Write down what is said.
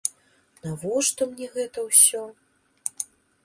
Навошта мне гэта ўсё?